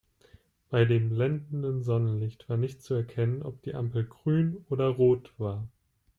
Bei dem blendenden Sonnenlicht war nicht zu erkennen, ob die Ampel grün oder rot war.